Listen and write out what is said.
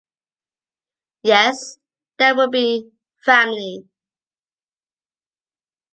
Yes... There will be family...